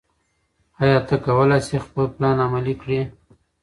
ایا ته کولای شې خپل پلان عملي کړې؟